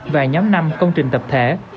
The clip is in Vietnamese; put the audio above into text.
và nhóm năm công trình tập thể